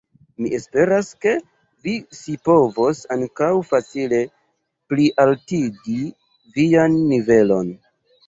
Mi esperas, ke vi scipovos ankaŭ facile plialtigi vian nivelon.